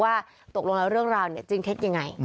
ว่าตกลงแล้วเรื่องราวจริงแครกอย่างไร